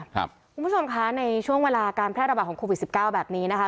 คุณผู้ชมคะในช่วงเวลาการแพร่ระบาดของโควิด๑๙แบบนี้นะคะ